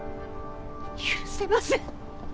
許せません！